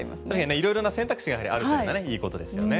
いろいろな選択肢があるのはいいことですよね。